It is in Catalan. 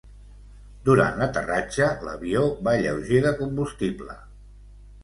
Durant l'aterratge l'avió va lleuger de combustible.